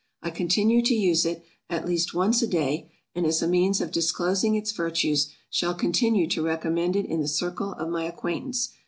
I continued to use it, at least once a day, and as a means of disclosing its virtues shall continue to recommend it in the circle of my acquaintance.